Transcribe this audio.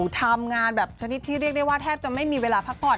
ทำงานแบบชนิดที่เรียกได้ว่าแทบจะไม่มีเวลาพักผ่อน